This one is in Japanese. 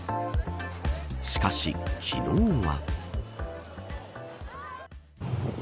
しかし昨日は。